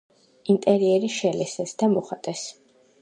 ინტერიერი შელესეს და მოხატეს.